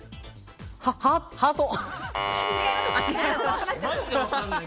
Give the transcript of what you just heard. ハート。